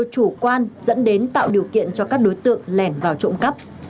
chủ quan dẫn đến tạo điều kiện cho các đối tượng lẻn vào trộm cắp